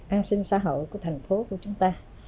an sinh xã hội của thành phố của chúng ta